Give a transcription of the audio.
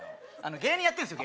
芸人やってるんですよ